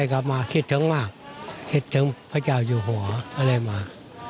คิดถึงมากคิดถึงพระเจ้าอยู่หัวก็เลยมา